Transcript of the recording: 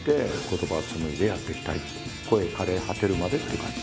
声かれ果てるまでっていう感じ。